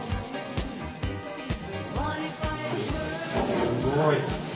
すごい！